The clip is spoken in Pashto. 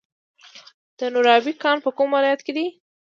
د نورابې کان په کوم ولایت کې دی؟